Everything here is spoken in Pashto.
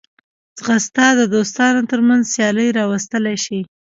ځغاسته د دوستانو ترمنځ سیالي راوستلی شي